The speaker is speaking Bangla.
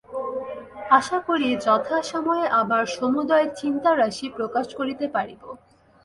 আশা করি, যথাসময়ে আমার সমুদয় চিন্তারাশি প্রকাশ করিতে পারিব।